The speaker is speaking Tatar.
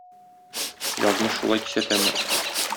Язмыш шулай кисәтәме